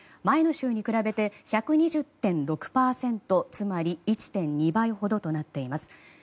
前の週に比べて１２０．６％つまり１．２倍ほどとなっています。